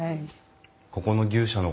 ここの牛舎の。